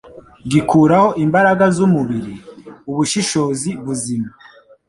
gikuraho imbaraga z’umubiri, ubushishozi buzima,